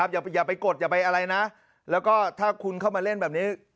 อย่าไปกดอย่าไปอะไรนะแล้วก็ถ้าคุณเข้ามาเล่นแบบนี้